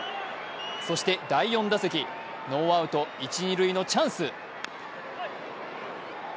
そして第４打席、ノーアウト一・二塁のチャンス。